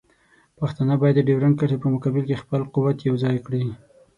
پښتانه باید د ډیورنډ کرښې په مقابل کې خپل قوت یوځای کړي.